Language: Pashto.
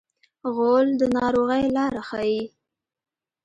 غول د ناروغۍ لاره ښيي.